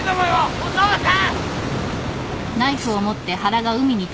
お父さん！